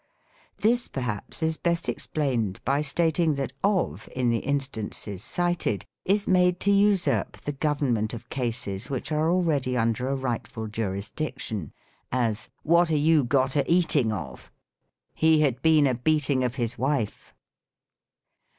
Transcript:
This, perhaps, is best explained by stating that of, in the instances cited, is made to usurp the government of cases which are already under a rightful jurisdiction : as, " What are you got a eating of?" " He had been a beating of his wife."